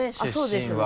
そうですね